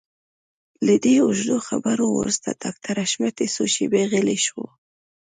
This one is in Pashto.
له دې اوږدو خبرو وروسته ډاکټر حشمتي څو شېبې غلی شو.